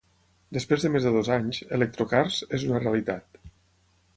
Després de més de dos anys, Electrokars, és una realitat.